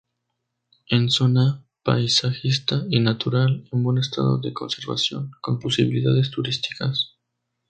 En zona paisajística y natural en buen estado de conservación, con posibilidades turísticas.